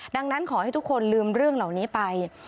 ดังนั้นขอให้ทุกคนลืมเรื่องเหล่านี้ไป